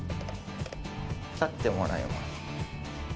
立ってもらいます。